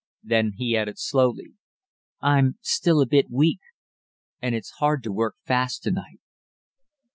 Then he added slowly, "I'm still a bit weak, and it's hard to work fast to night."